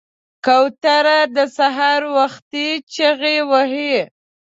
کوتره د سهار وختي چغې وهي.